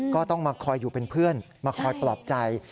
ก็ต้องมาคอยอยู่เป็นเพื่อนมาคอยปลอบใจ